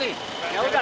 berani ke menteri